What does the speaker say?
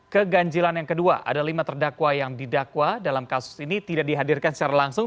keganjilan yang kedua ada lima terdakwa yang didakwa dalam kasus ini tidak dihadirkan secara langsung